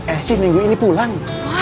eh sih minggu ini pulang